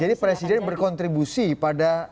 jadi presiden berkontribusi pada